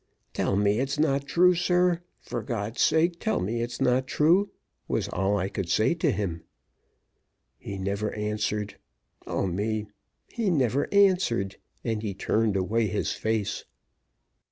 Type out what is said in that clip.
"Tell me it's not true, sir! For God's sake, tell me it's not true!" was all I could say to him. He never answered oh me! he never answered, and he turned away his face.